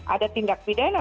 ada tindak pidana